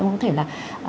ông có thể là